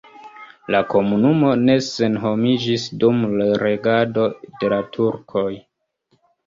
La komunumo ne senhomiĝis dum regado de la turkoj.